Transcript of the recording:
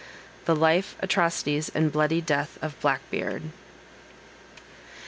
THE LIFE, ATROCITIES, AND BLOODY DEATH OF BLACK BEARD.